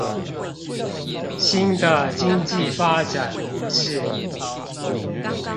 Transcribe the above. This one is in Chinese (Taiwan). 新的經濟發展模式